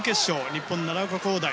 日本の奈良岡功大